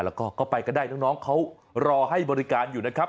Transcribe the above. แล้วก็ไปก็ได้น้องเขารอให้บริการอยู่นะครับ